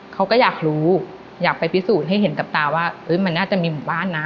เขาก็อยากรู้อยากไปพิสูจน์ให้เห็นกับตาว่ามันน่าจะมีหมู่บ้านนะ